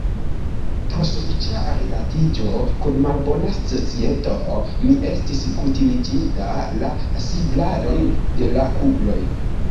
Pro sufiĉa rilatiĝo kun malbona societo, mi estis kutimiĝinta la sibladon de la kugloj.